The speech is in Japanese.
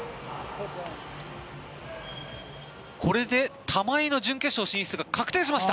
これで玉井の準決勝進出が確定しました。